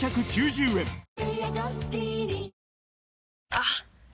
あっ！